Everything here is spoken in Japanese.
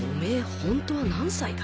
本当は何歳だ？